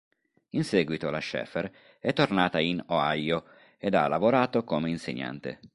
In seguito la Schaefer è tornata in Ohio ed ha lavorato come insegnante.